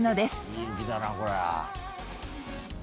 いい雪だな、これは。